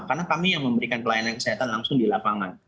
karena kami yang memberikan pelayanan kesehatan langsung di lapangan